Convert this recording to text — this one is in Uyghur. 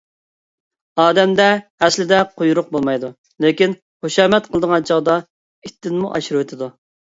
ئادەمدە ئەسلىدە قۇيرۇق بولمايدۇ، لېكىن خۇشامەت قىلغان چاغدا ئىتتىنمۇ ئاشۇرۇۋېتىدۇ.